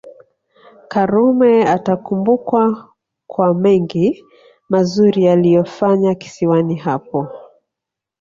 Karume atakumbukwa kwa mengi mazuri aliyoyafanya kisiwani hapo